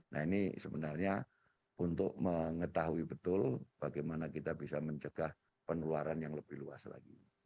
nah ini sebenarnya untuk mengetahui betul bagaimana kita bisa mencegah penularan yang lebih luas lagi